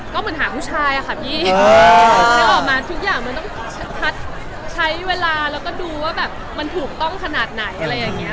ก็เหมือนหาผู้ชายอะค่ะพี่นึกออกมาทุกอย่างมันต้องพัดใช้เวลาแล้วก็ดูว่าแบบมันถูกต้องขนาดไหนอะไรอย่างนี้